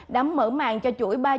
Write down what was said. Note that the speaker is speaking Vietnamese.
đã mở mạng cho chuỗi ba chương trình